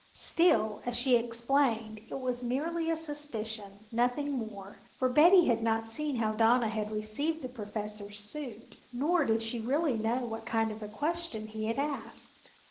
Still as she explained it was merely a suspicion, nothing more, for Betty had not seen how Donna had received the Professor's suit nor did she really know what kind of a question he had asked.